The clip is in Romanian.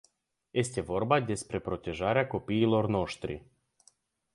Este vorba despre protejarea copiilor noștri.